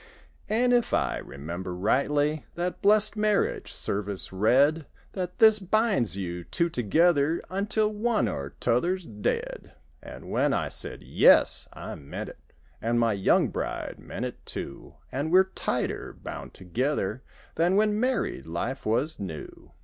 An' if I remember rightly That blest marriage service read That "this binds you two together Until one or t'other's dead An' when I said "Yes" I meant it; An' my young bride meant it, too. An' we're tighter bound together Than when married life was new.